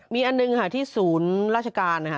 มีอันหนึ่งค่ะที่ศูนย์ราชการนะคะ